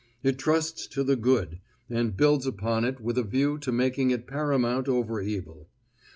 It trusts to the good, and builds upon it with a view to making it paramount over evil.